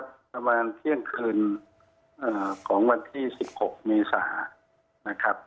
ประมาณเที่ยงคืนของวันที่๑๖เมษานะครับ